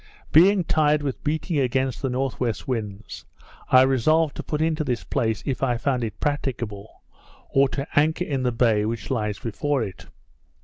Being tired with beating against the N.W. winds, I resolved to put into this place if I found it practicable, or to anchor in the bay which lies before it.